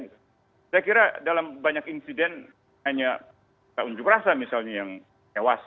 saya kira dalam banyak insiden hanya unjuk rasa misalnya yang tewas